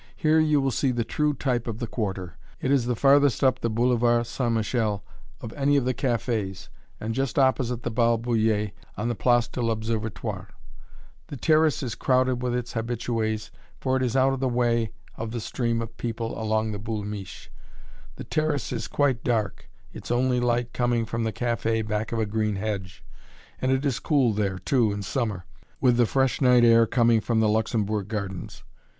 Here you will see the true type of the Quarter. It is the farthest up the Boulevard St. Michel of any of the cafés, and just opposite the "Bal Bullier," on the Place de l'Observatoire. The terrace is crowded with its habitués, for it is out of the way of the stream of people along the "Boul' Miche." The terrace is quite dark, its only light coming from the café, back of a green hedge, and it is cool there, too, in summer, with the fresh night air coming from the Luxembourg Gardens.